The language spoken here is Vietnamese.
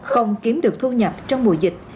không kiếm được thu nhập trong mùa dịch